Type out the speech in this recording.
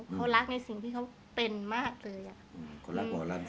พี่บ๊วยเขารักในสิ่งที่เขาเป็นมากเลยอะ